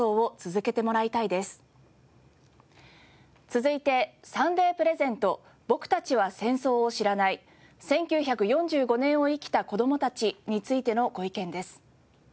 続いて『サンデープレゼント僕たちは戦争を知らない１９４５年を生きた子どもたち』についてのご意見です。